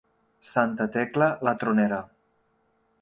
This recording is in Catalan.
Santa Tecla, la tronera.